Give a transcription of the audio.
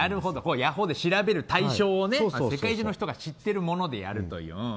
ヤホーで調べる対象を世界中の人が知ってるものでやるっていうね。